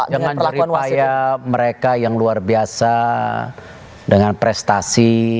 dengan rifaya mereka yang luar biasa dengan prestasi